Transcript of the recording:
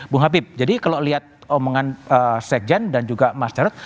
bu habib jadi kalau lihat omongan sekjen dan juga mas jarod